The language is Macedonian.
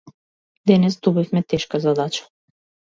Денес добивме тешка задача.